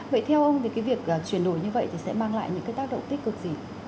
vậy theo ông thì cái việc chuyển đổi như vậy thì sẽ mang lại những cái tác động tích cực gì